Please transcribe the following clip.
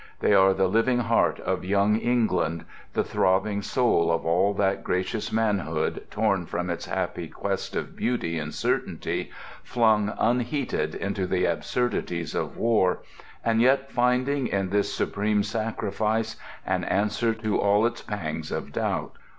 They are the living heart of young England; the throbbing soul of all that gracious manhood torn from its happy quest of Beauty and Certainty, flung unheated into the absurdities of War, and yet finding in this supreme sacrifice an answer to all its pangs of doubt.